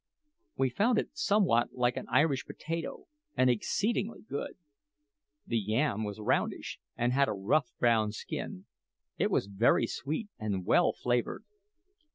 We found it somewhat like an Irish potato, and exceedingly good. The yam was roundish, and had a rough brown skin. It was very sweet and well flavoured.